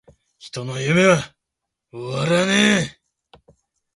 人の夢は!!!終わらねェ!!!!